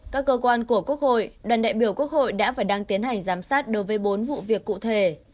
các cơ quan của quốc hội đoàn đại biểu quốc hội đã và đang tiến hành giám sát đối với bốn vụ việc cụ thể